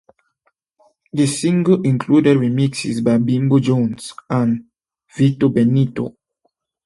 The single included remixes by Bimbo Jones and Vito Benito.